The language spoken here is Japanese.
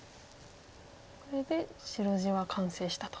これで白地は完成したと。